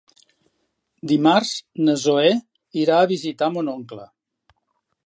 Dimarts na Zoè irà a visitar mon oncle.